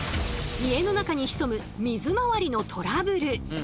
家の中に潜む水まわりのトラブル！